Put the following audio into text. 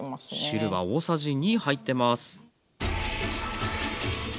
汁が大さじ２入ってます。